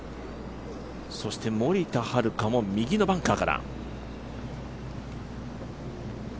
そして森田遥も右のバンカーから。